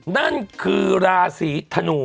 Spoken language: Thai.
นั่นคือราศีธนู